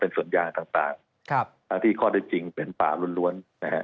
เป็นส่วนยางต่างถ้าที่ข้อได้จริงเป็นป่าล้วน